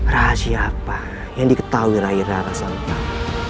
rahasia apa yang diketahui rai rara sama kamu